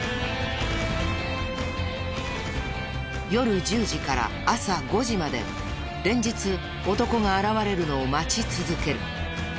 夜１０時から朝５時まで連日男が現れるのを待ち続ける。